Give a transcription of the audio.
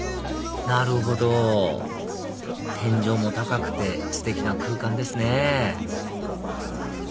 なるほど天井も高くてステキな空間ですね